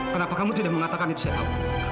kenapa kamu tidak mengatakan itu saya tahu